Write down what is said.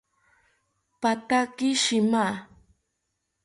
Pathaki shima